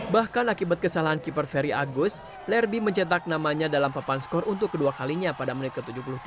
bahkan akibat kesalahan keeper ferry agus lerdi mencetak namanya dalam papan skor untuk kedua kalinya pada menit ke tujuh puluh tiga